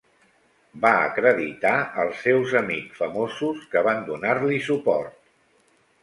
Va acreditar els seus amic famosos, que van donar-li suport.